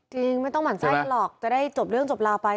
จริงไม่ต้องหมั่นไส้กันหรอกจะได้จบเรื่องจบลาวไป